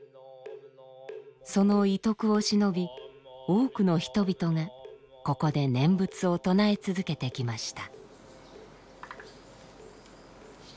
その遺徳をしのび多くの人々がここで念仏を唱え続けてきました。